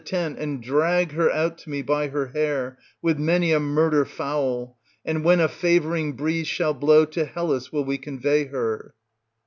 881 948 tent, and drag her out to me by her hair with many a murder foul ; and when a fevouring breeze shall blow, to Hellas will we convey her.